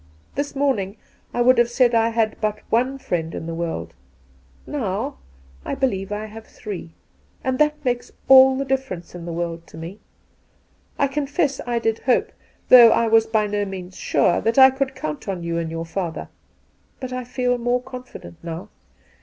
This morn ing I would have said I had but one friend in the world, now I believe I have three ; and that makes all the diflferenee in the world to me. I confess I did hope, though I was by no means sure, that I could count on you and your father ; but I feel more confident now.